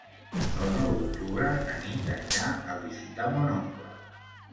El nou d'octubre na Nit anirà a visitar mon oncle.